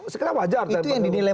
sekalian wajar itu yang dinilai